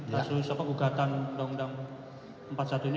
kasus penggugatan undang undang empat puluh satu ini